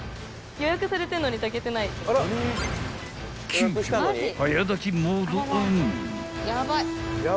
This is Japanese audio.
［急きょ早炊きモードオン］